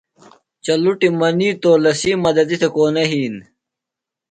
چلُٹیۡ منیتو لسی مدتی تھےۡ کونہ یھین۔